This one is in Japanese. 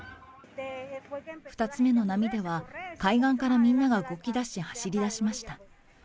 ２つ目の波では海岸からみんなが動きだし、走りだしました。